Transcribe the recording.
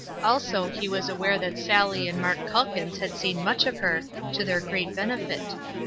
Also he was aware that Sally and Mark Calkins had seen much of her, to their great benefit.